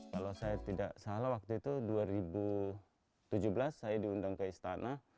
kalau saya tidak salah waktu itu dua ribu tujuh belas saya diundang ke istana